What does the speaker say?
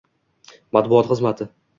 matbuot xizmati